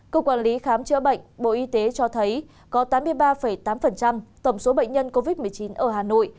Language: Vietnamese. cục quản lý khám chữa bệnh bộ y tế cho thấy có tám mươi ba tám tổng số bệnh nhân covid một mươi chín ở hà nội